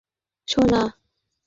এর বেশি কিছু বলতে পারব না, সোনা।